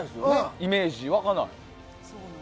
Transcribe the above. イメージが湧かない。